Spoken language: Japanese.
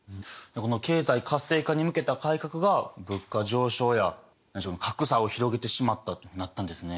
経済活性化に向けた改革が物価上昇や格差を広げてしまったというふうになったんですね。